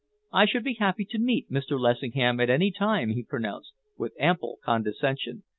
"I should be happy to meet Mr. Lessingham at any time," he pronounced, with ample condescension.